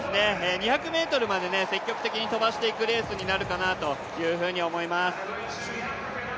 ２００ｍまで積極的に飛ばしていくレースになるかなと思います。